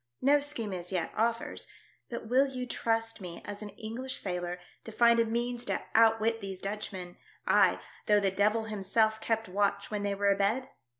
No scheme as yet offers, but will you trust me as an English sailor to find a means to outwit these Dutchmen, ay, though the Devil himself kept watch when they were abed?